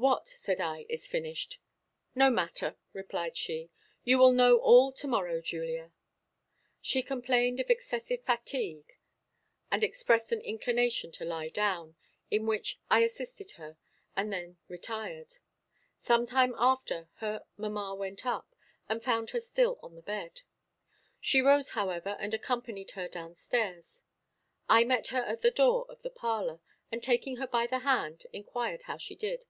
"What," said I, "is finished?" "No matter," replied she; "you will know all to morrow, Julia." She complained of excessive fatigue, and expressed an inclination to lie down; in which I assisted her, and then retired. Some time after, her mamma went up, and found her still on the bed. She rose, however, and accompanied her down stairs. I met her at the door of the parlor, and, taking her by the hand, inquired how she did.